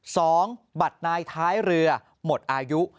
สองบัตรนายท้ายเรือหมดอายุ